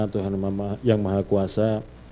tuhan yang maha kuasa